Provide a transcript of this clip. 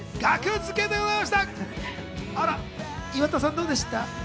岩田さん、どうでした？